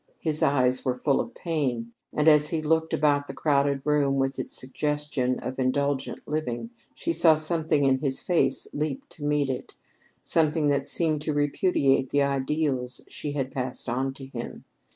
His eyes were full of pain, and as he looked about the crowded room with its suggestions of indulgent living, she saw something in his face leap to meet it something that seemed to repudiate the ideals she had passed on to him.